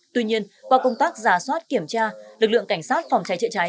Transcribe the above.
tuy nhiên qua công tác giả soát kiểm tra lực lượng cảnh sát phòng cháy chữa cháy